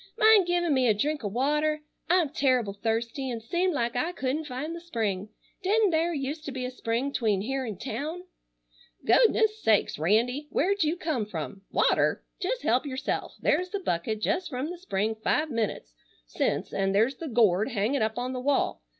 "Mind givin' me a drink o' water? I'm terrible thirsty, and seemed like I couldn't find the spring. Didn't thare used to be a spring 'tween here'n town?" "Goodness sakes! Randy! Where'd you come from? Water! Jes' help yourself. There's the bucket jes' from the spring five minutes since, an' there's the gourd hanging up on the wall.